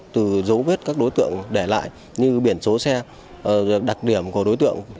từ dấu vết các đối tượng để lại như biển số xe đặc điểm của đối tượng